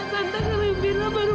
tante ada di rumah